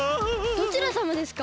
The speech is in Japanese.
どちらさまですか？